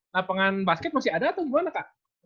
lapangan basket masih ada atau gimana kak